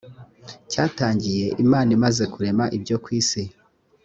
cyatangiye imana imaze kurema ibyo ku isi